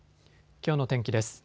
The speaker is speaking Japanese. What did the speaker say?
きょうの天気です。